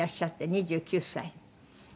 ２９歳？